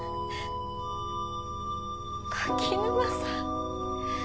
柿沼さん。